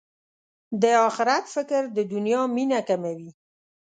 د اخرت فکر د دنیا مینه کموي.